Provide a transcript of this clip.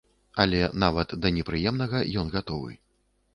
Але нават да непрыемнага ён гатовы.